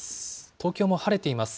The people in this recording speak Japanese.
東京も晴れています。